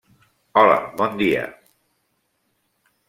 Hola, bon dia!